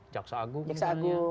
jaksa agung misalnya